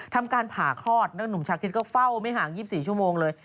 ทำการผ่าคลอดนักหนุ่มชาคริสก็เฝ้าไม่ห่าง๒๔ชั่วโมงเลย